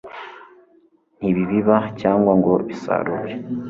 ntibibiba cyangwa ngo bisarure